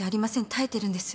耐えてるんです。